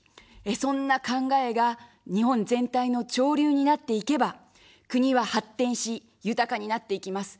そんな考えが日本全体の潮流になっていけば、国は発展し、豊かになっていきます。